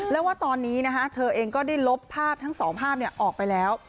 แล้วว่าตอนนี้เธอเองก็ได้ลบภาพทั้งสองภาพออกไปแล้ว